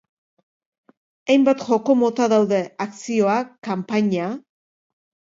Hainbat joko mota daude akzioa, kanpaina...